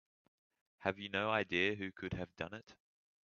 Have you no idea who could have done it?